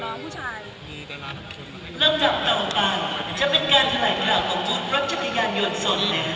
เริ่มกับต่อไปจะเป็นการเทลายกล่าวของบุตรรับจักรยานยนต์สน